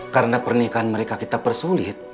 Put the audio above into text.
karena pernikahan mereka kita persulit